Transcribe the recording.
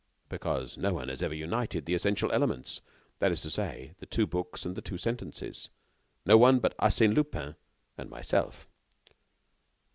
"Because no one has ever united the essential elements, that is to say, the two books and the two sentences. No one, but Arsène Lupin and myself."